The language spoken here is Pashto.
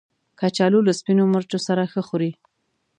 کچالو له سپینو مرچو سره ښه خوري